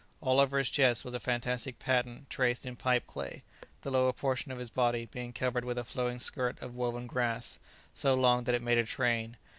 All over his chest was a fantastic pattern traced in pipe clay, the lower portion of his body being covered with a flowing skirt of woven grass, so long that it made a train.